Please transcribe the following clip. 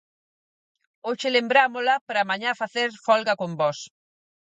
Hoxe lembrámola pra mañá facer folga con vós.